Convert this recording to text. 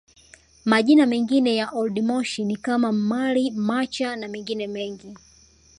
Majina mengine ya Old Moshi ni kama Mmari Macha na mengine mengi